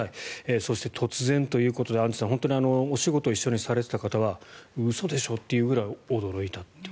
そして、突然ということでアンジュさん本当にお仕事を一緒にされていた方は嘘でしょというくらい驚いたという。